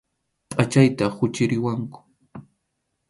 Pʼachayta quchiriwanku.